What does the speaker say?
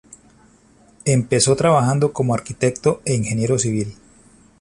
Empezó trabajando como arquitecto e ingeniero civil.